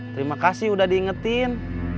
terima kasih sudah diingetin